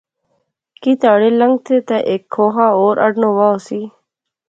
کی تہارے لنگتھے تہ ہیک کھوخا ہور اڈنوں وہا ہوسی